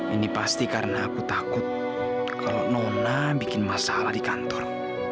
ini pasti karena aku takut kalau nona bikin masalah di kantor